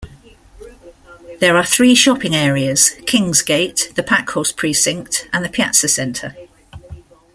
There are three shopping areas: Kingsgate, The Packhorse Precinct and The Piazza Centre.